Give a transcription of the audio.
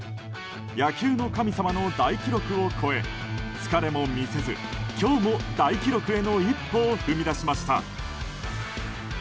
野球の神様の大記録を超え疲れも見せず今日も、大記録への一歩を踏み出しました。